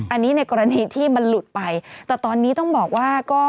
อันนี้ในกรณีที่มันหลุดไปแต่ตอนนี้ต้องบอกว่าก็